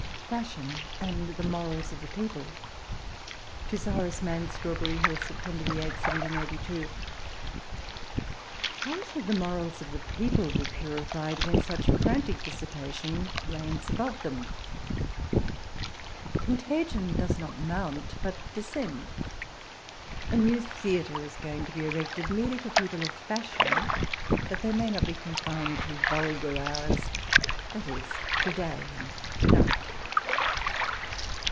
... FASHIOX AXD THE MOBALS OF TEE PEOPLE. To Sir Horace Mask. Strawberr)/ Hill, Sept. 8, 1782. ... How should the morals of the people be purified, when such frantic dissipation reigns above them? Contagion does not mount, but descend. A new theatre is going to be erected merely for people of fashion, that they may not be confined to vulgar hours — that is, to day or night.